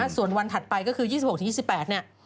ส่วนวันถัดไปก็คือ๒๖๒๘เนี่ย